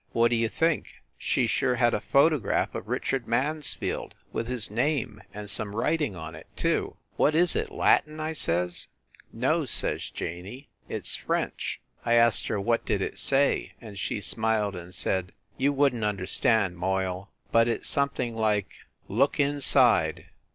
What d you think? She sure had a photograph of Richard Mansfield, with his name, and some writing on it, too. "What is it, Latin?" I says. "No," says Janey, "it s French." I asked her what did it say, and she smiled and said, "You wouldn t understand, Moyle, but it s something like Look inside!